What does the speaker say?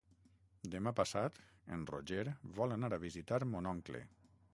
Demà passat en Roger vol anar a visitar mon oncle.